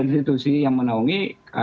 institusi yang menaungi